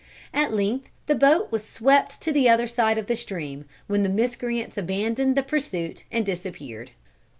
At length the boat was swept to the other side of the stream, when the miscreants abandoned the pursuit, and disappeared.